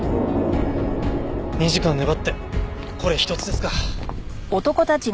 ２時間粘ってこれ一つですか。